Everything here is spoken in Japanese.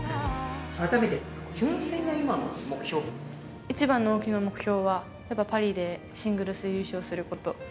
改めて、一番の大きな目標は、やっぱりパリでシングルス優勝すること。